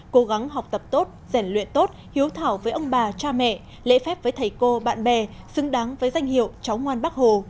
cố gắng học tập tốt giản luyện tốt hiếu thảo với ông bà cha mẹ lễ phép với thầy cô bạn bè xứng đáng với danh hiệu cháu ngoan bắc hồ